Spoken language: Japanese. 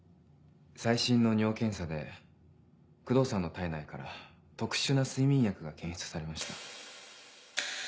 最新の尿検査で工藤さんの体内から特殊な睡眠薬が検出されました。